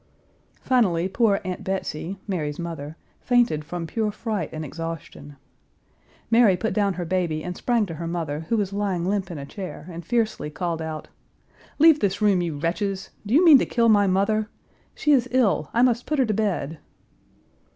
Finally poor Aunt Betsy, Mary's mother, fainted from pure fright and exhaustion. Mary put down her baby and sprang to her mother, who was lying limp in a chair, and fiercely called out, "Leave this room, you wretches! Do you mean to kill my mother? She is ill; I must put her to bed."